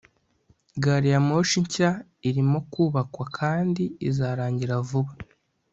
gariyamoshi nshya irimo kubakwa kandi izarangira vuba